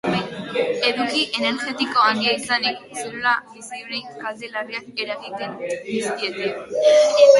Eduki energetiko handia izanik, zelula bizidunei kalte larriak eragiten dizkiete.